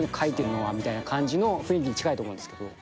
みたいな感じの雰囲気に近いと思うんですけど。